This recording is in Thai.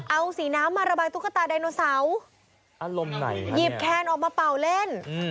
เอาสีน้ำมาระบายตุ๊กตาไดโนเซาหยิบแคนออกมาเป่าเล่น